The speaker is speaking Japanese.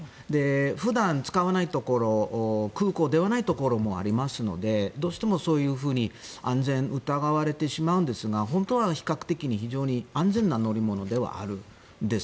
普段、使わないところ空港ではないところもありますのでどうしてもそういうふうに安全を疑われてしまうんですが本当は比較的、非常に安全な乗り物ではあるんです。